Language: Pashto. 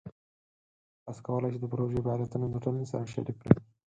تاسو کولی شئ د پروژې فعالیتونه د ټولنې سره شریک کړئ.